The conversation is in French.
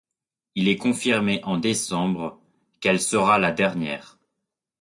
Il est confirmé en décembre qu'elle sera la dernière.